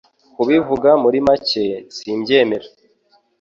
Kubivuga muri make, simbyemera.